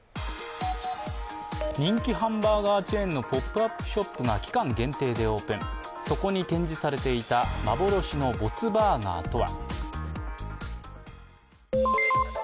人気ハンバーガーチェーンのポップアップショップが期間限定でオープン、そこに展示されていた幻の没バーガーとは。